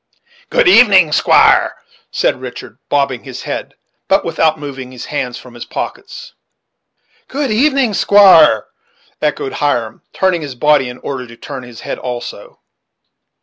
"Good evening, squire," said Richard, bobbing his head, but without moving his hands from his pockets. "Good evening, squire," echoed Hiram, turning his body in order to turn his head also.